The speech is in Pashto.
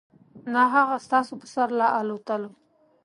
نه هغه ستاسو په سر له الوتلو .